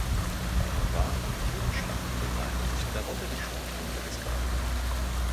Er war an vielen Schlachten beteiligt, darunter die Schlacht von Gettysburg.